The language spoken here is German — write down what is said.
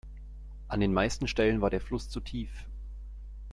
An den meisten Stellen war der Fluss zu tief.